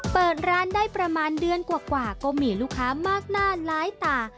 เปิดร้านได้ประมาณเดือนกว่าก็มีลูกค้ามากหน้าหลายตา